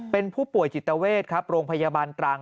เป็นผู้ป่วยจิตเวทครับโรงพยาบาลตรัง